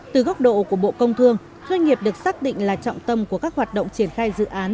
từ góc độ của bộ công thương doanh nghiệp được xác định là trọng tâm của các hoạt động triển khai dự án